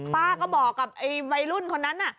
ป้าก็บอกกับไว้รุ่นคนนั้น